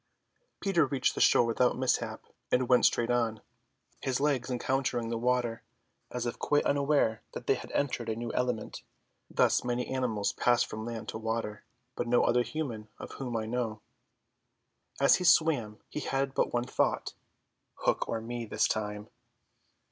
Peter reached the shore without mishap, and went straight on, his legs encountering the water as if quite unaware that they had entered a new element. Thus many animals pass from land to water, but no other human of whom I know. As he swam he had but one thought: "Hook or me this time."